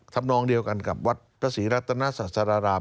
ทำนองเดียวกันกับวัดพระศรีรัตนาศาสรราม